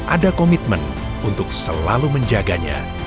ada komitmen untuk selalu menjaganya